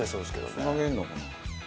つなげるのかな？